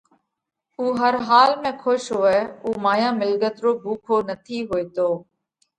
اُو هر حال ۾ کُش هوئه اُو مايا مِلڳت رو ڀُوکو نٿِي هوئِيتو۔